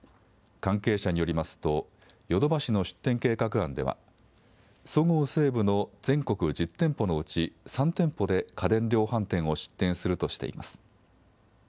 関係者によりますと、ヨドバシの出店計画案では、そごう・西武の全国１０店舗のうち３店舗で、家電量販店を出店するとしています。